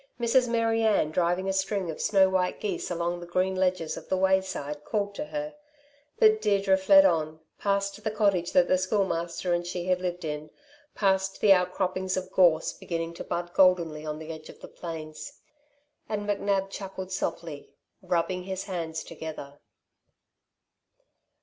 Mrs. Mary Ann, driving a string of snow white geese along the green ledges of the wayside, called to her, but Deirdre fled on, past the cottage that the Schoolmaster and she had lived in, past the out croppings of gorse beginning to bud goldenly on the edge of the plains. And McNab chuckled softly, rubbing his hands together.